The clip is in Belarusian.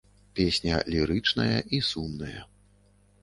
Песня лірычная і сумная.